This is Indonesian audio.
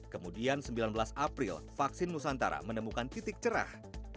kemudian sembilan belas april vaksin nusantara menemukan titik cerah